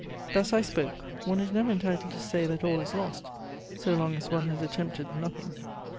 Thus I spoke: one is never entitled to say that all is lost so long as one has attempted nothing.